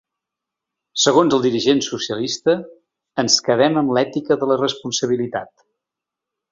Segons el dirigent socialista ‘ens quedem amb l’ètica de la responsabilitat’.